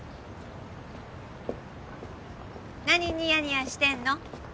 何ニヤニヤしてんの？